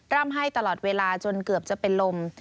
ร่ำไห้ตลอดเวลาจนเกือบจะเป็นลม